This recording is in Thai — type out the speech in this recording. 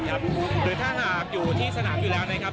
หรือถ้าหากอยู่ที่สนามอยู่แล้วนะครับ